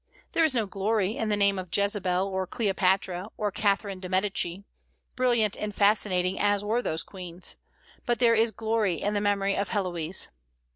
There is no glory in the name of Jezebel, or Cleopatra, or Catherine de' Medici, brilliant and fascinating as were those queens; but there is glory in the memory of Héloïse.